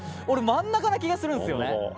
俺真ん中な気がするんですよね。